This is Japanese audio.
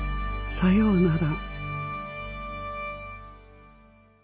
さようなら。